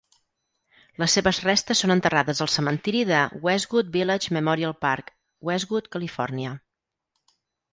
Les seves restes són enterrades al cementiri de Westwood Village Memorial Park, Westwood, Califòrnia.